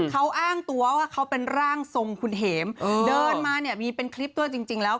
เขาอ้างตัวว่าเขาเป็นร่างทรงคุณเห็มเดินมาเนี่ยมีเป็นคลิปด้วยจริงแล้ว